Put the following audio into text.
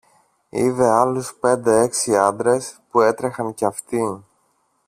είδε άλλους πέντε-έξι άντρες που έτρεχαν και αυτοί.